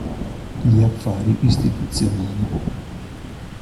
Gli affari istituzionali.